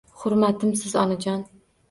Hurmatimsiz Onajon